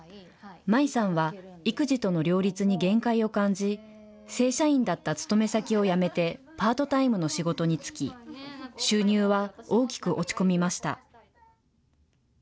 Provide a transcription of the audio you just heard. マイさんは育児との両立に限界を感じ、正社員だった勤め先を辞めてパートタイムの仕事に就き、収入は大きく落ち込みました。